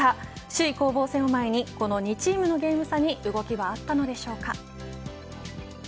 首位攻防戦を前にこの２チームのゲーム差に動きはあったのでしょうか。